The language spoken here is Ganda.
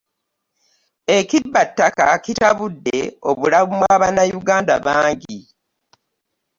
Ekibbattaka kitabudde obulamu bwa bannayuganda bangi